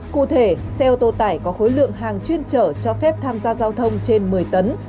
cụ thể xe ô tô tải có khối lượng hàng chuyên chở cho phép tham gia giao thông trên một mươi tấn